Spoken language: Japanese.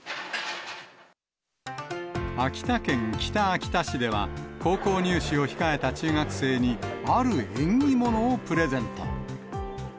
秋田県北秋田市では、高校入試を控えた中学生にある縁起物をプレゼント。